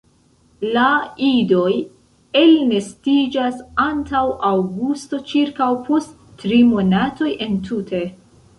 La idoj elnestiĝas antaŭ aŭgusto ĉirkaŭ post tri monatoj entute.